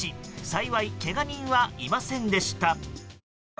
幸い、けが人はいませんでした。